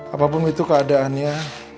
apapun itu keadaannya